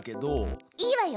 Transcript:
いいわよ。